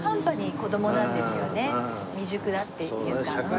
未熟だっていうか。